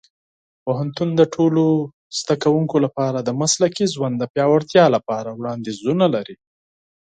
پوهنتون د ټولو زده کوونکو لپاره د مسلکي ژوند د پیاوړتیا لپاره وړاندیزونه لري.